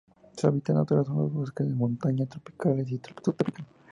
Su hábitat natural son los bosques de montaña tropicales y subtropicales.